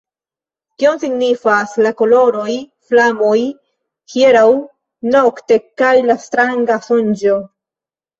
Kion signifas la koloraj flamoj hieraŭ nokte kaj la stranga sonĝo?